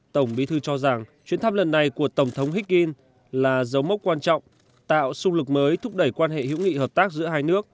tổng bí thư cho rằng chuyến thăm lần này của tổng thống hikin là dấu mốc quan trọng tạo xung lực mới thúc đẩy quan hệ hữu nghị hợp tác giữa hai nước